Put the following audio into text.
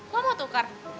lo mau tuker